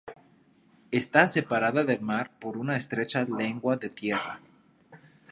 Está separada del mar por una estrecha lengua de tierra.